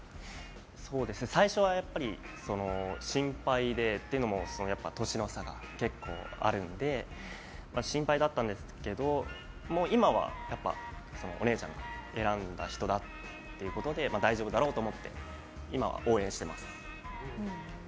最初はやっぱり心配で。というのも、やっぱり年の差が結構あるので心配だったんですけどお姉ちゃんが選んだ人だということで大丈夫だろうと思って今は応援しています。